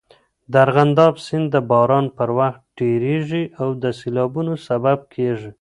د ارغنداب سیند د باران پر وخت ډېریږي او د سیلابونو سبب کېږي.